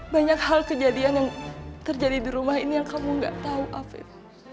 banyak hal kejadian yang terjadi di rumah ini yang kamu gak tau afif